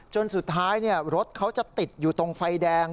จนสุดท้ายรถเขาจะติดอยู่ตรงไฟแดง